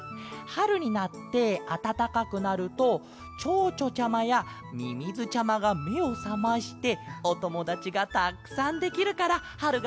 はるになってあたたかくなるとチョウチョちゃまやミミズちゃまがめをさましておともだちがたくさんできるからはるがだいすきなんだケロ！